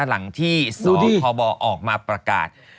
หลังที่สคบออกมาประกาศ